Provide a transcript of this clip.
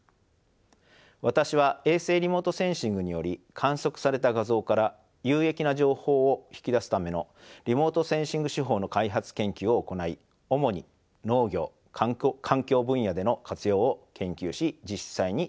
私は衛星リモートセンシングにより観測された画像から有益な情報を引き出すためのリモートセンシング手法の開発研究を行い主に農業・環境分野での活用を研究し実際に試しております。